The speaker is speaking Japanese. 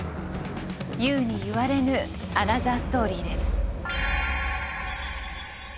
言うに言われぬアナザーストーリーです。